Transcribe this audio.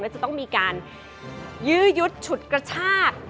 จะต้องมีการยื้อยุดฉุดกระชาก